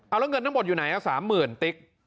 เอาแล้วเงินทั้งหมดอยู่ไหน๓๐๐๐ติ๊ก